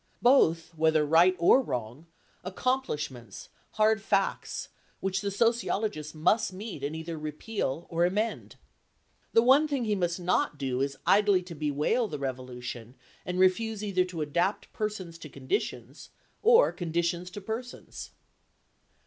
Both, whether right or wrong, accomplishments, hard facts, which the sociologist must meet and either repeal or amend. The one thing he must not do is idly to bewail the revolution and refuse either to adapt persons to conditions or conditions to persons.